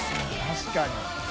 確かに。